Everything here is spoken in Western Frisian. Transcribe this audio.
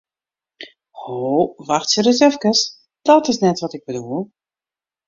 Ho, wachtsje ris efkes, dat is net wat ik bedoel!